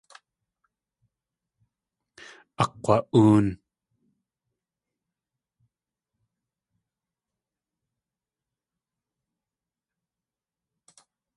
Akg̲wa.óon.